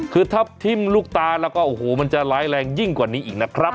คือถ้าทิ้มลูกตาแล้วก็โอ้โหมันจะร้ายแรงยิ่งกว่านี้อีกนะครับ